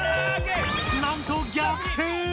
なんと逆転！